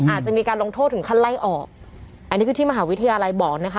อาจจะมีการลงโทษถึงขั้นไล่ออกอันนี้คือที่มหาวิทยาลัยบอกนะคะ